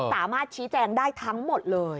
สามารถชี้แจงได้ทั้งหมดเลย